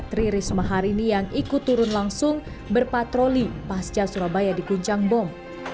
tri risma harini yang ikut turun langsung berpatroli pasca surabaya di guncang bom